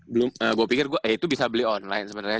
belum gua pikir eh itu bisa beli online sebenernya